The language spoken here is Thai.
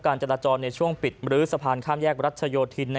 จราจรในช่วงปิดมรื้อสะพานข้ามแยกรัชโยธิน